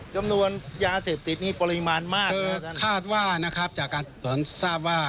จำนวนยาเสพติดนี่ปริมาณมากคาดว่านะครับจากการทราบว่า